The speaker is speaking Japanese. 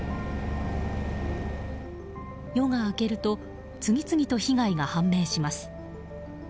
夜が明けると次々と被害が判明します。